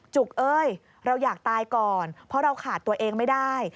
จุกเอ้ยเราอยากตายก่อนเพราะเราขาดตัวเองไม่ได้